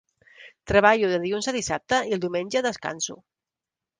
Treballo de dilluns a dissabte, i el diumenge descanso.